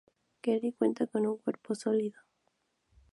Kelly cuenta con un cuerpo sólido.